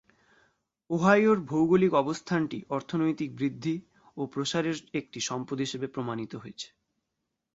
ওহাইওর ভৌগোলিক অবস্থানটি অর্থনৈতিক বৃদ্ধি ও প্রসারের একটি সম্পদ হিসাবে প্রমাণিত হয়েছে।